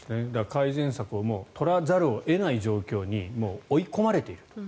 改善策を取らざるを得ない形にもう追い込まれているという。